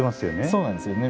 そうなんですよね。